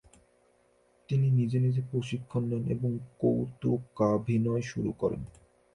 তিনি নিজে নিজে প্রশিক্ষন নেন এবং কৌতুকাভিনয় শুরু করেন।